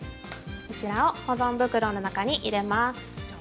こちらを保存袋の中に入れます。